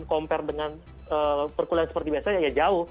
compare dengan perkulian seperti biasanya ya jauh